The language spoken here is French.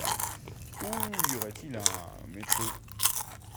Où y aurait-il un métro ?